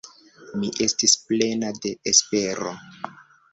Mi estis plena de espero.